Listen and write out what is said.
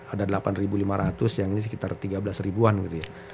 ada delapan lima ratus yang ini sekitar tiga belas ribuan gitu ya